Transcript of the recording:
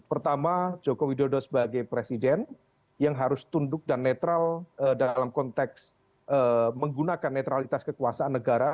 pertama joko widodo sebagai presiden yang harus tunduk dan netral dalam konteks menggunakan netralitas kekuasaan negara